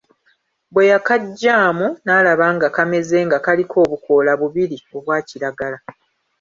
Bwe yakaggyaamu n'alaba nga kameze nga kaliko obukoola bubiri obwa kiragala.